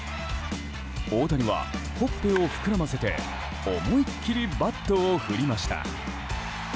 大谷は、ほっぺを膨らませて思いっきりバットを振りました。